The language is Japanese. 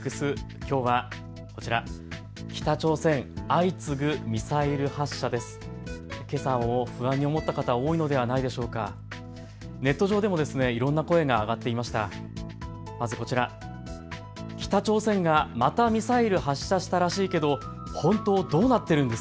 きょうはこちら、北朝鮮、相次ぐミサイル発射です。